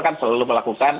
kan selalu melakukan